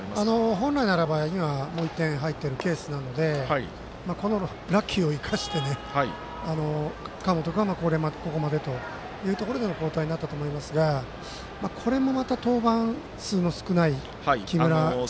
本来ならばもう１点入っているケースなのでラッキーを生かしてここまでというところの交代になったと思いますがこれもまた登板数の少ない木村。